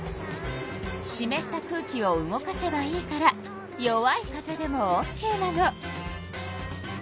しめった空気を動かせばいいから弱い風でもオッケーなの。